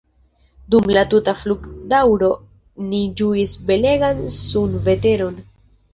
Dum la tuta flugdaŭro ni ĝuis belegan sunveteron.